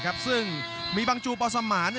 และอัพพิวัตรสอสมนึก